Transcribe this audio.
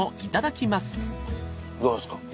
どうですか？